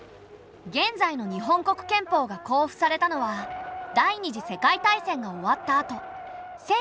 現在の日本国憲法が公布されたのは第２次世界大戦が終わったあと１９４６年。